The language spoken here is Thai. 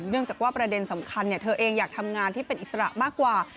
จากว่าประเด็นสำคัญเธอเองอยากทำงานที่เป็นอิสระมากกว่า